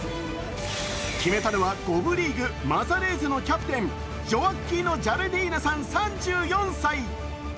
決めたのは５部リーグのキャプテンジョアッキーノ・ジャルディーナさん３４歳。